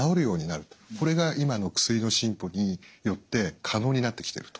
これが今の薬の進歩によって可能になってきてると。